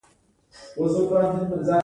له امپراطورۍ څخه موخه د هېوادونو نیول دي